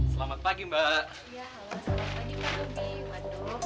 selamat pagi mbak robi